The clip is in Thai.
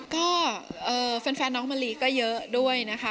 ก็แฟนน้องมะลิก็เยอะด้วยนะคะ